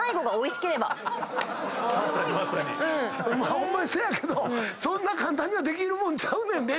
ホンマにせやけどそんな簡単にはできるもんちゃうねんで料理。